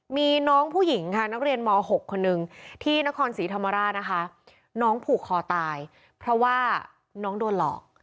มีน้องผู้หญิงค่ะนักเรียนม๖คนนึงที่นครศรีธรรมราชนะคะน้องผูกคอตายเพราะว่าน้องโดนหลอก